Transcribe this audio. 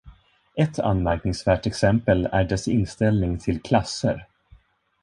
Ett anmärkningsvärt exempel är dess inställning till klasser.